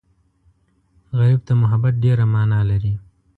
غریب ته محبت ډېره مانا لري